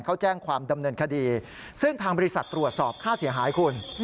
เขาแจ้งความดำเนินคดีซึ่งทางบริษัทตรวจสอบค่าเสียหายคุณ